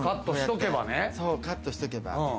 カットしとけば。